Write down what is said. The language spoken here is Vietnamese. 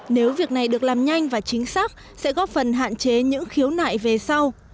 nếu việc này được làm nhanh và chính xác sẽ góp phần hạn chế những khiếu nại về sau